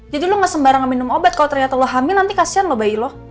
jadi lo nggak sembarang minum obat kalau ternyata lo hamil nanti kasihan lo bayi lo